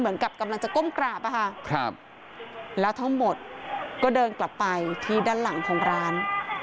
เหมือนกับกำลังจะก้มกราบแล้วทั้งหมดก็เดินกลับไปที่ด้านหลังของร้าน